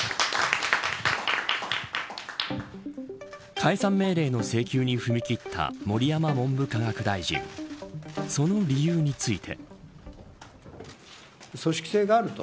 解散命令の請求に踏み切った盛山文部科学大臣その理由について。